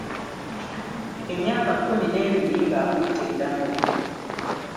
Emyaka kkumi n’ebiri ng'akutte ddamula.